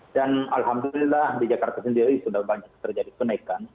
dan alhamdulillah di jakarta sendiri sudah banyak terjadi kenaikan